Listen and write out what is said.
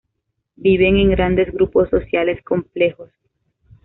Viven en grandes grupos sociales complejos.